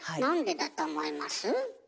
なんでだと思います？